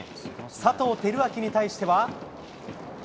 佐藤輝明に対しては。